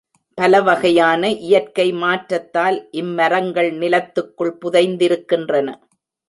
பலவகையான இயற்கை மாற்றத்தால் இம்மரங்கள் நிலத்துக்குள் புதைந்திருக்கின்றன.